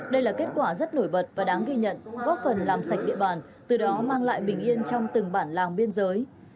đây là kết quả rất nổi bật và đáng ghi nhận góp phần làm sạch địa bàn từ đó mang lại bình yên trong từng bản làng biên giới